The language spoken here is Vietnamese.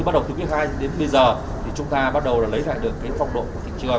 bắt đầu từ quý hai đến bây giờ chúng ta bắt đầu lấy lại được phong độ của thị trường